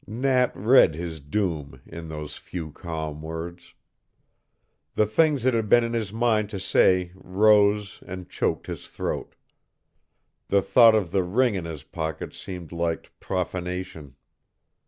Nat read his doom in those few calm words. The things that had been in his mind to say rose and choked his throat; the thought of the ring in his pocket seemed like profanation.